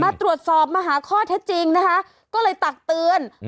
มาตรวจสอบมาหาข้อเท็จจริงนะคะก็เลยตักเตือน